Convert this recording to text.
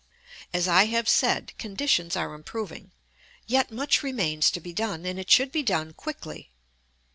As I have said, conditions are improving; yet much remains to be done; and it should be done quickly.